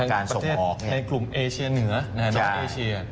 การส่งออกทั้งประเทศในกลุ่มเอเชียเหนือแนวน้องเอเชีย